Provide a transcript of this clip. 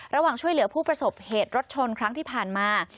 ระหว่างช่วยเหลือผู้ประสบเหตุรถชนครั้งที่ผ่านมา